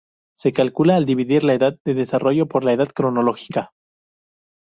Se calcula al dividir la edad de desarrollo por la edad cronológica.